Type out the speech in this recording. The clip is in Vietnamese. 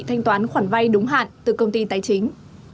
thanh toán khoản vay đúng hạn từ công ty tài chính